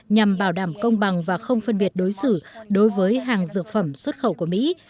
nhằm bảo đảm công bằng và không phân biệt đối xử đối với hàng dược phẩm xuất khẩu của mỹ